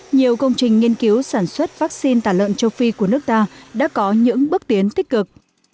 nhiều công trình nghiên cứu sản xuất vaccine tả lợn châu phi của nước ta đã có những bước tiến tích cực